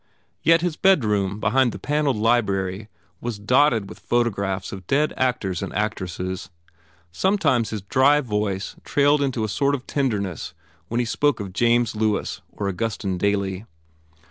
Yet his bedroom behind the panelled library was dotted with photographs of dead actors and actresses. Sometimes his dry voice trailed into a sort of tenderness when he spoke of James Lewis or Augustin Daly.